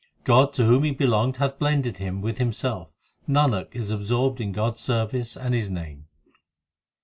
God to whom he belonged hath blended him with Him self Nanak is absorbed in God s service and His name.